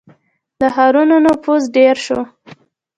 • د ښارونو نفوس ډېر شو.